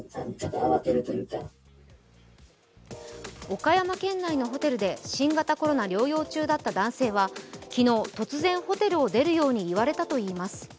岡山県内のホテルで新型コロナ療養中だった男性は昨日、突然ホテルを出るように言われたといいます。